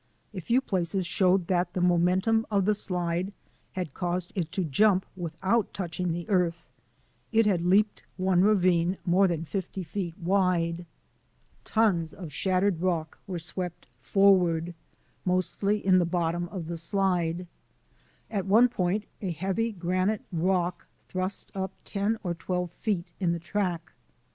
A few places showed that the momentum of the slide had caused it to jump without touching the earth. It had leaped one ravine more than fifty feet wide. Tons of shattered rock were swept forward, mostly in the bottom of the slide. At one point a heavy granite rock thrust up ten or twelve feet in the track.